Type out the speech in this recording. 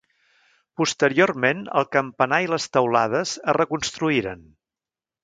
Posteriorment el campanar i les teulades es reconstruïren.